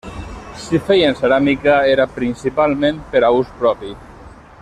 Si feien ceràmica era principalment per a ús propi.